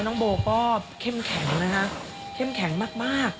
น้องโบก็เข้มแข็งนะคะเข้มแข็งมาก